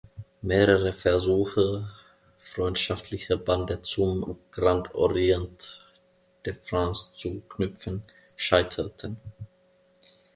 Mehrere Versuche, freundschaftliche Bande zum Grand Orient de France zu knüpfen, scheiterten.